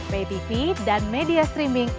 paytv dan media streaming